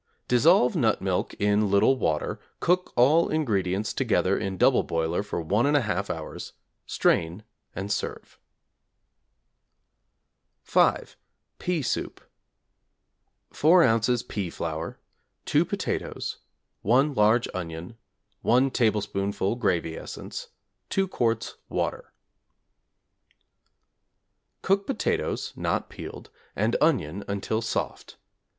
Dissolve nut milk in little water, cook all ingredients together in double boiler for 1 1/2 hours, strain and serve. =5. Pea Soup= 4 ozs. pea flour, 2 potatoes, 1 large onion, 1 tablespoonful gravy essence, 2 quarts water. Cook potatoes, (not peeled), and onion until soft.